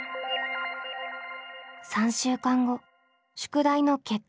３週間後宿題の結果発表。